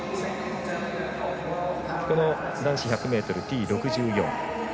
この男子１００ｍＴ６４。